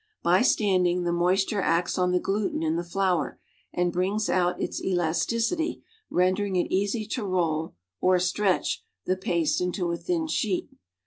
By standing, the moisture acts on the gluten in the flour and brings out its elasticity rendering it easy to roll (or stretch) the paste into a thin sheet.